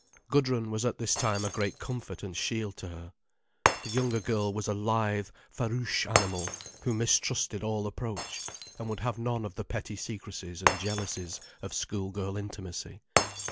Gudrun was at this time a great comfort and shield to her. The younger girl was a lithe, farouche animal, who mistrusted all approach, and would have none of the petty secrecies and jealousies of schoolgirl intimacy.